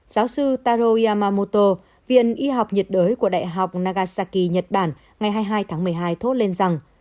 giáo sư taro yamamoto viện y học nhiệt đới của đại học nagasaki nhật bản ngày hai mươi hai tháng một mươi hai thốt lên rằng